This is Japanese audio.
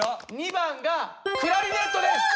２番クラリネットなんですよ。